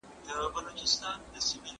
تاسو به د خپل ذهن په ارامولو کي تجربه لرئ.